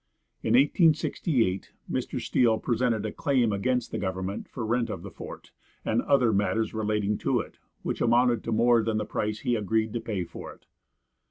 In 1868 Mr. Steele presented a claim against the government for rent of the fort and other matters relating to it, which amounted to more than the price he agreed to pay for it.